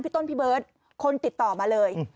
ต้นพี่เบิร์ตคนติดต่อมาเลย